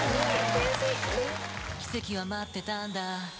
「運命は待ってたんだ」